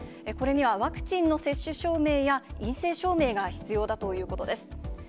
これにはワクチンの接種証明や陰性証明が必要だということです。